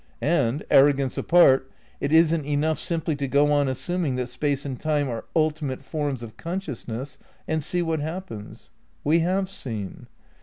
And, arrogance apart, it isn't enough simply to go on assuming that Space and Time are ultimate forms of consciousness and see what happens. We have seen.